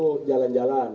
rute perjalanan korban